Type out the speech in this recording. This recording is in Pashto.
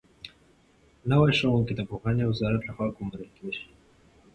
نوي ښوونکي د پوهنې وزارت لخوا ګومارل کېږي.